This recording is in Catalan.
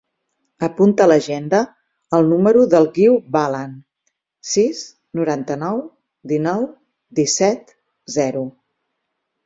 Apunta a l'agenda el número del Guiu Balan: sis, noranta-nou, dinou, disset, zero.